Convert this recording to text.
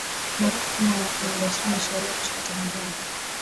maarufu kama wafanyabiashara wameshauriwa kuchukua tahadhari